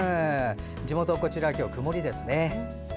地元、こちらは今日は曇りですね。